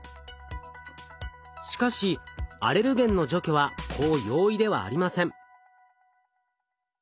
しかしアレルゲンの除去はこう容易ではありません。